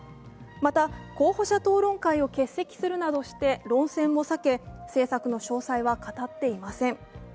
また、候補者討論会を欠席するなどして論戦を避け政策の詳細は語っていません。